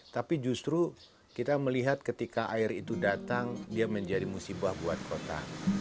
tapi justru kita melihat ketika air itu datang dia menjadi musibah buat kota